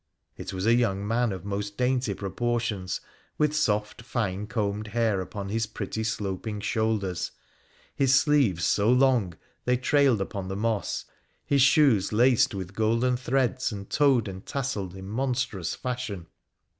It was a young man of most dainty proportions, with soft, fine combed hair upon his pretty sloping shoulders, his sleeves so long they trailed upon the moss, his shoes laced with golden threads and toed and tasselled in monstrous fashion.